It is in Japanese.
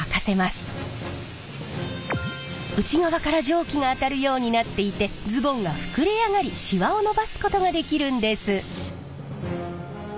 内側から蒸気があたるようになっていてズボンが膨れ上がりシワを伸ばすことができるんです。